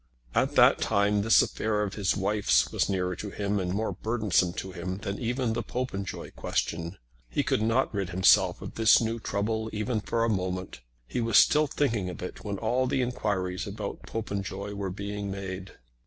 At that time this affair of his wife's was nearer to him and more burdensome to him than even the Popenjoy question. He could not rid himself of this new trouble even for a moment. He was still thinking of it when all the enquiries about Popenjoy were being made.